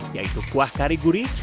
yaitu kuah kari guri